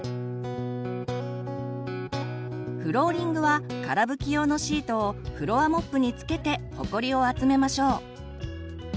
フローリングはから拭き用のシートをフロアモップに付けてほこりを集めましょう。